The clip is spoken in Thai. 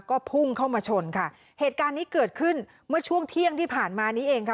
ก็พุ่งเข้ามาชนค่ะเหตุการณ์นี้เกิดขึ้นเมื่อช่วงเที่ยงที่ผ่านมานี้เองค่ะ